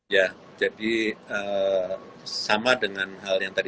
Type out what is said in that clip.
ya jadi sama dengan hal yang tadi